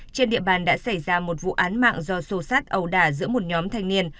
trên địa bàn đã xảy ra một vụ án mạng do sâu sát ẩu đả giữa một nhóm thanh niên